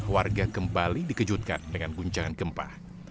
warga kembali dikejutkan dengan guncangan gempa